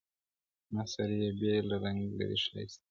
نثر يې بېل رنګ لري ښکاره,